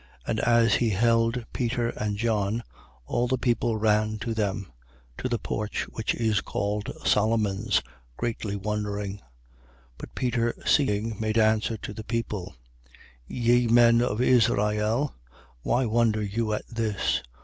3:11. And as he held Peter and John, all the people ran to them, to the porch which is called Solomon's, greatly wondering. 3:12. But Peter seeing, made answer to the people: Ye men of Israel, why wonder you at this?